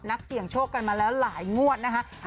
นักเสี่ยงโชคกันมาแล้วหลายงวดนะคะ